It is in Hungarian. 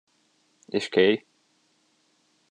És Kay?